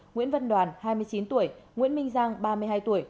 nguyễn văn đoàn hai mươi chín tuổi nguyễn minh giang ba mươi hai tuổi